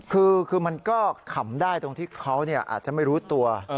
คือมันก็ขำได้ตรงที่เขาอาจจะไม่รู้ตัว